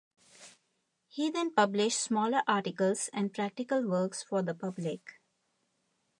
He then published smaller articles and practical works for the public.